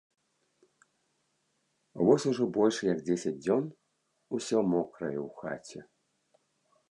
Вось ужо больш як дзесяць дзён усё мокрае ў хаце.